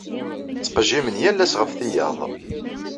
Ttqejjimen yal ass ɣef tiyaḍ.